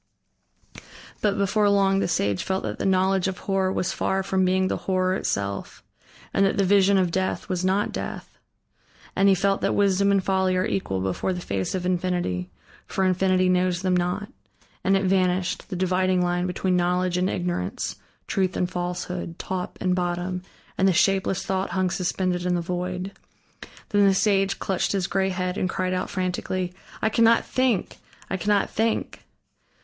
But before long the sage felt that the knowledge of horror was far from being the horror itself, and that the vision of Death, was not Death. And he felt that wisdom and folly are equal before the face of Infinity, for Infinity knows them not. And it vanished, the dividing line between knowledge and ignorance, truth and falsehood, top and bottom, and the shapeless thought hung suspended in the void. Then the sage clutched his gray head and cried out frantically: "I cannot think! I cannot think!"